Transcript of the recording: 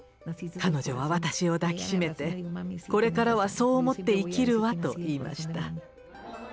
彼女は私を抱き締めて「これからはそう思って生きるわ」と言いました。